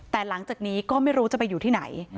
แต่หลังจากนี้ก็ไม่รู้จะไปอยู่ที่ไหน